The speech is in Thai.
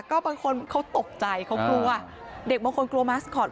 ก็บางคนเขาตกใจเขากลัวเด็กบางคนกลัวมาสคอต